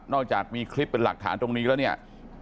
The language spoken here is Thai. จากมีคลิปเป็นหลักฐานตรงนี้แล้วเนี่ย